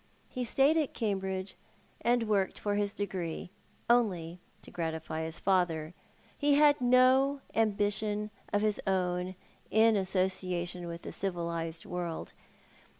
He stayed at Cambridge and worked for his degree, only to gratify his father. He had no ambition of his own in association with the civilised world.